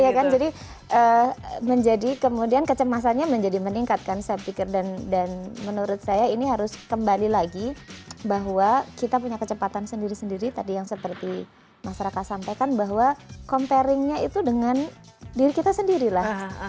iya kan jadi kemudian kecemasannya menjadi meningkat kan saya pikir dan menurut saya ini harus kembali lagi bahwa kita punya kecepatan sendiri sendiri tadi yang seperti mas raka sampaikan bahwa comparingnya itu dengan diri kita sendirilah